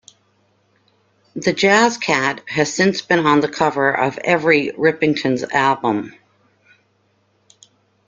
The Jazz Cat has since been on the cover of every Rippingtons album.